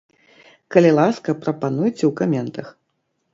Калі ласка, прапануйце ў каментах.